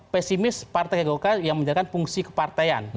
pesimis partai golkar yang menjadikan fungsi kepartian